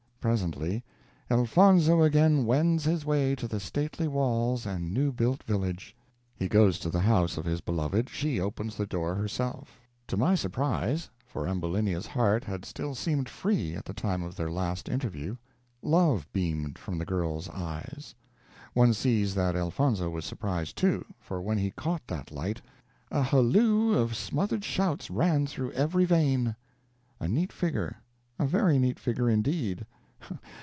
Presently "Elfonzo again wends his way to the stately walls and new built village." He goes to the house of his beloved; she opens the door herself. To my surprise for Ambulinia's heart had still seemed free at the time of their last interview love beamed from the girl's eyes. One sees that Elfonzo was surprised, too; for when he caught that light, "a halloo of smothered shouts ran through every vein." A neat figure a very neat figure, indeed!